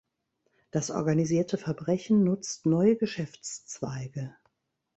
Das organisierte Verbrechen nutzt neue Geschäftszweige.